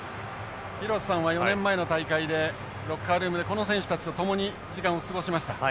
廣瀬さんは４年前の大会でロッカールームでこの選手たちと共に時間を過ごしました。